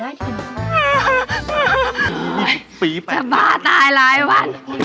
โอ้ยจะบ้าตายหลายวัน